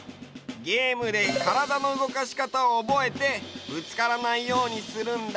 ゲームで体の動かし方をおぼえてぶつからないようにするんだね。